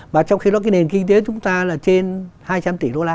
và trong khi đó cái nền kinh tế chúng ta là trên hai trăm linh tỷ